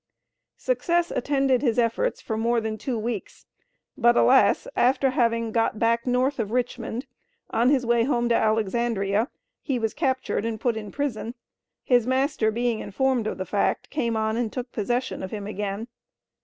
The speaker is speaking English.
Success attended his efforts for more than two weeks; but alas, after having got back north of Richmond, on his way home to Alexandria, he was captured and put in prison; his master being informed of the fact, came on and took possession of him again.